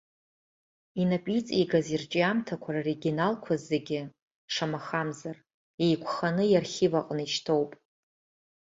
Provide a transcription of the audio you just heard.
Инапы иҵигаз ирҿиамҭақәа роригиналқәа зегьы, шамахамзар, еиқәханы иархив аҟны ишьҭоуп.